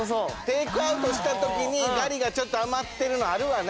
テイクアウトした時にガリがちょっと余ってるのあるわね。